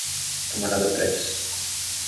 Camarada Prestes